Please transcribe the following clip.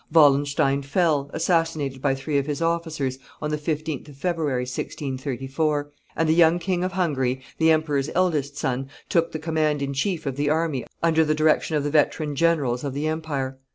Wallenstein fell, assassinated by three of his officers, on the 15th of February, 1634; and the young King of Hungary, the emperor's eldest son, took the command in chief of the army under the direction of the veteran generals of the empire.